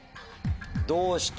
どうして？